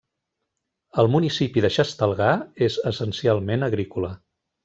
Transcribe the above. El municipi de Xestalgar és essencialment agrícola.